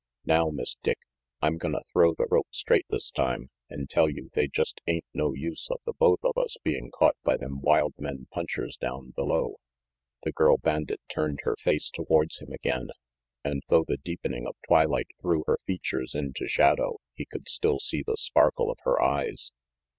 "Now, Miss Dick, I'm gonna throw the rope straight this time, an' tell you they just ain't no use of the both of us being caught by them wild men punchers down below The girl bandit turned her face towards him again, and though the deepening of twilight threw her features into shadow, he could still see the sparkle of her eyes.